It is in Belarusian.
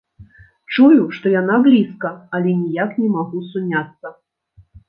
Чую, што яна блізка, але ніяк не магу суняцца.